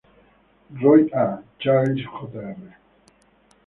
Roy A. Childs Jr.